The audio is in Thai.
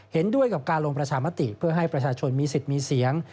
เห็นด้วยกับการลงประชามติเพื่อให้ประชาชนมีสิทธิ์มีเสียง